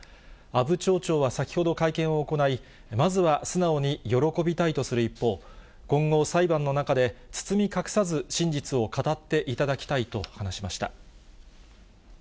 阿武町長は先ほど会見を行い、まずは素直に喜びたいとする一方、今後、裁判の中で、包み隠さず真実を語っていただきたいと話しました。